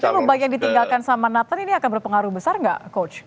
tapi kalau banyak yang ditinggalkan sama nathan ini akan berpengaruh besar nggak coach